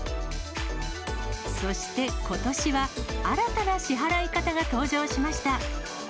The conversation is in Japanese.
そして、ことしは新たな支払い方が登場しました。